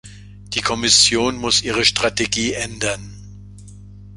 Die Kommission muss ihre Strategie ändern.